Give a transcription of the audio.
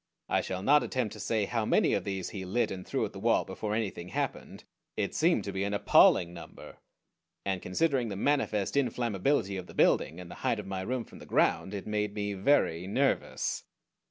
I shall not attempt to say how many of these he lit and threw at the wall before anything happened. It seemed to be an appalling number, and considering the manifest inflammability of the building, and the height of my room from the ground, it made me very nervous.